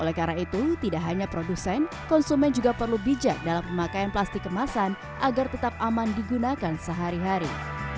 oleh karena itu tidak hanya produsen konsumen juga perlu bijak dalam pemakaian plastik kemasan agar tetap aman digunakan sehari hari